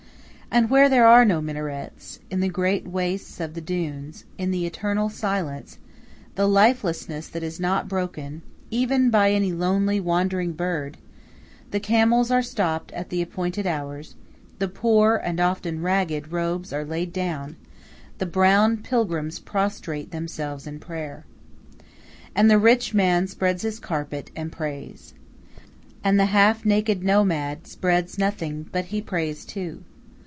And where there are no minarets in the great wastes of the dunes, in the eternal silence, the lifelessness that is not broken even by any lonely, wandering bird the camels are stopped at the appointed hours, the poor, and often ragged, robes are laid down, the brown pilgrims prostrate themselves in prayer. And the rich man spreads his carpet, and prays. And the half naked nomad spreads nothing; but he prays, too.